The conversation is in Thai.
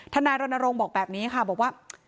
นายรณรงค์บอกแบบนี้ค่ะบอกว่า